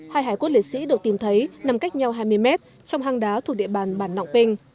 hai hải quốc liệt sĩ được tìm thấy nằm cách nhau hai mươi mét trong hang đá thuộc địa bàn bản nọng pinh